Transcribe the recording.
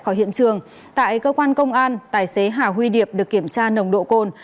khỏi hiện trường tại cơ quan công an tài xế hà huy điệp được kiểm tra nồng độ cồn